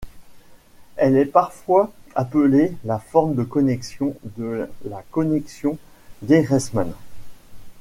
Elle est parfois appelée la forme de connexion de la connexion d'Ehresmann.